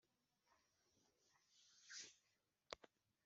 Biro agomba kuba ari igitsina gore